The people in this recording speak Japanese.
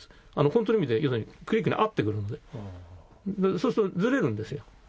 本当の意味で要するにクリックに合ってくるのでそうするとずれるんですよ。